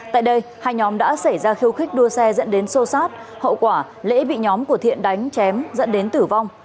tại đây hai nhóm đã xảy ra khiêu khích đua xe dẫn đến sô sát hậu quả lễ bị nhóm của thiện đánh chém dẫn đến tử vong